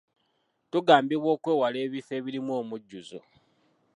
Tugambibwa okwewala ebifo ebirimu omujjuzo.